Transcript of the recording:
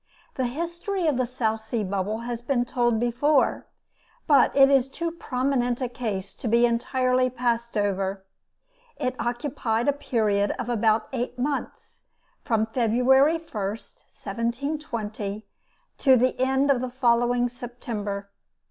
The history of the South Sea Bubble has been told, before, but it is too prominent a case to be entirely passed over. It occupied a period of about eight months, from February 1, 1720, to the end of the following September.